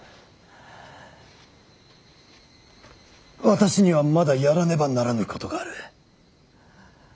私にはまだやらねばならぬことがある。